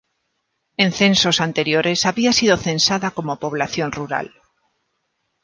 En censos anteriores había sido censada como población rural.